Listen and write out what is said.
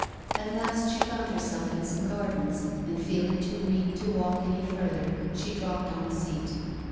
At last she found herself in some gardens, and, feeling too weary to walk any further, she dropped on a seat.